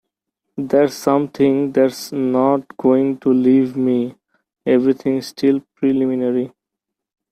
That's something that's not going to leave me...Everything still preliminary.